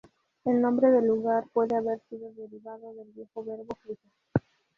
El nombre del lugar puede haber sido derivado del viejo verbo "fusa".